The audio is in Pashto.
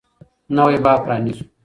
نوی باب پرانيزو.